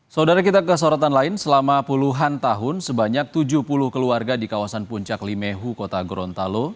saudara kita ke sorotan lain selama puluhan tahun sebanyak tujuh puluh keluarga di kawasan puncak limehu kota gorontalo